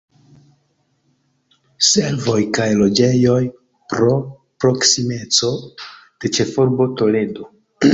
Servoj kaj loĝejoj pro proksimeco de ĉefurbo Toledo.